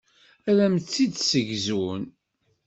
Ad am-tt-id-ssegzun.